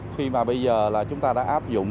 khi mà bây giờ là chúng ta đã áp dụng